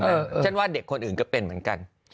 ฉันว่าเด็กคนอื่นก็เป็นเหมือนกัน